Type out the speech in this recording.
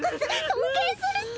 尊敬するっス。